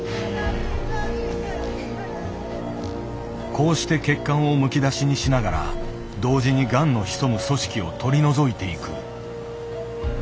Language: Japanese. こうして血管をむき出しにしながら同時にがんの潜む組織を取り除いていく。